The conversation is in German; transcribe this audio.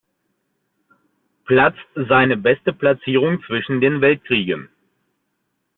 Platz seine beste Platzierung zwischen den Weltkriegen.